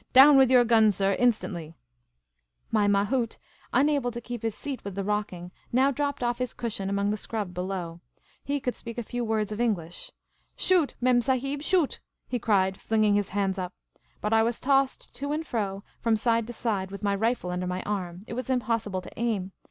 Down with your gun, sir, instantly !" My mahout, unable to keep his seat with the rocking, now dropped off his cushion among the scrub below. He could speak a few words of Englis'i. '' Shoot, Mem Sahib, shoot !'' he cried, flinging his havids up. Buc I was tossed to and fro, from side to side, with my rifle under my arm. It was impo.s.sible to aim.